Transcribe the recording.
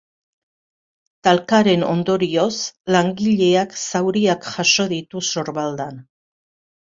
Talkaren ondorioz, langileak zauriak jaso ditu sorbaldan.